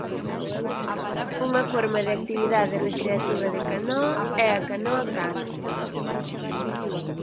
Unha forma de actividade recreativa de canoa é canoa cámping.